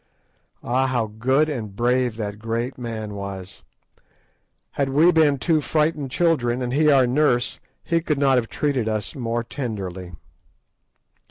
Ah, how good and brave that great man was! Had we been two frightened children, and he our nurse, he could not have treated us more tenderly.